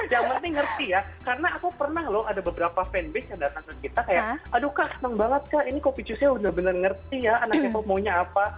yang penting ngerti ya karena aku pernah loh ada beberapa fanbase yang datang ke kita kayak aduh kak seneng banget kak ini kopi cucio udah bener bener ngerti ya anak k pop maunya apa